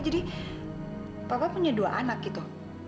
jadi papa punya dua anak gitu